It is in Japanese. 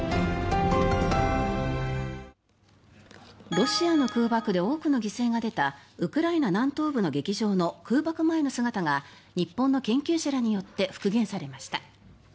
ロシアの空爆で多くの犠牲が出たウクライナ南東部の劇場の空爆前の姿が日本の研究者らによって復元されました。